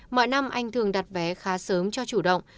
mọi năm anh thường đặt vé khá sớm cho chủ động